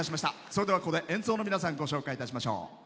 それでは、ここで演奏の皆さんご紹介しましょう。